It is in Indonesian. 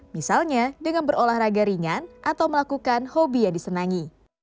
misalnya dengan berolahraga ringan atau melakukan hobi yang disenangi